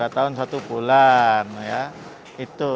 dua tahun satu bulan ya